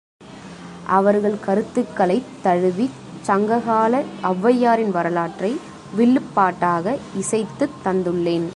அவர்கள் கருத்துக்களைத் தழுவிச் சங்ககால ஒளவையாரின் வரலாற்றை வில்லுப் பாட்டாக இசைத்துத் தந்துள்ளேன்.